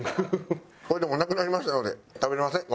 これでもうなくなりましたので食べれません。